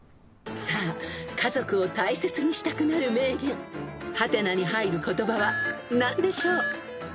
［さあ家族を大切にしたくなる名言「？」に入る言葉は何でしょう？］